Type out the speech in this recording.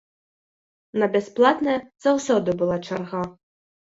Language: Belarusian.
На бясплатнае заўсёды была чарга.